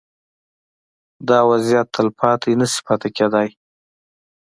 دا وضعیت تلپاتې نه شي پاتې کېدای.